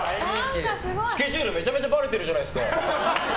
スケジュールめちゃめちゃばれてるじゃないですか。